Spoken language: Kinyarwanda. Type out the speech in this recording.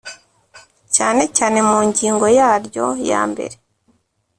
cyane cyane mu ngingo yaryo yambere